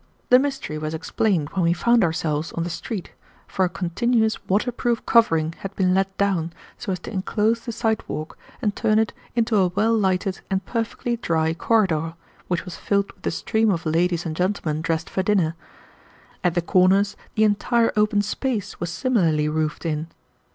The mystery was explained when we found ourselves on the street, for a continuous waterproof covering had been let down so as to inclose the sidewalk and turn it into a well lighted and perfectly dry corridor, which was filled with a stream of ladies and gentlemen dressed for dinner. At the corners the entire open space was similarly roofed in.